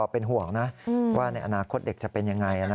เป็นห่วงนะว่าในอนาคตเด็กจะเป็นยังไง